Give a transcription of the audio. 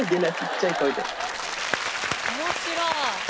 面白い。